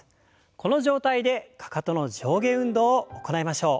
この状態でかかとの上下運動を行いましょう。